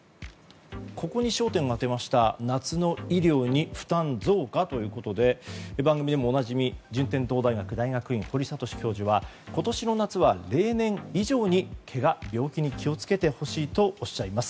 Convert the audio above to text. ここに焦点を当てまして夏の医療に負担増かということで番組でもおなじみ順天堂大学大学院堀賢教授は、今年の夏は例年以上にけが、病気に気を付けてほしいとおっしゃいます。